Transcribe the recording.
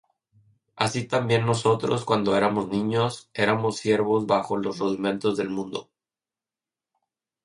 Así también nosotros, cuando éramos niños, éramos siervos bajo los rudimentos del mundo.